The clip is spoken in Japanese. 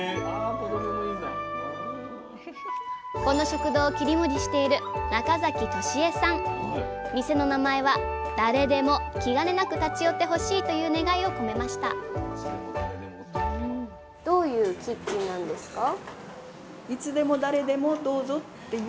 この食堂を切り盛りしている店の名前は誰でも気兼ねなく立ち寄ってほしいという願いを込めましたどういうキッチンなんですか？